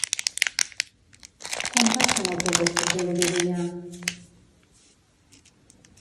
Quan passa l'autobús per Vilobí d'Onyar?